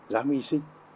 giám y sinh